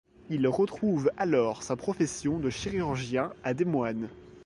Il retrouve alors sa profession de chirurgien à Des Moines.